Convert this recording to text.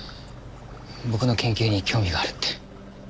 僕の研究に興味があるって。